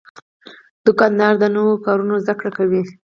دوکاندار د نوو کارونو زدهکړه کوي.